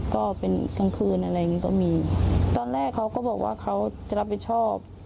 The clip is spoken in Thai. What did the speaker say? กลางคืนอะไรอย่างงี้ก็มีตอนแรกเขาก็บอกว่าเขาจะรับผิดชอบ